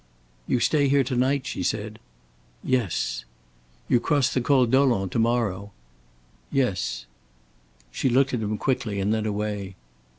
"You stay here to night?" she said. "Yes." "You cross the Col Dolent to morrow?" "Yes." She looked at him quickly and then away.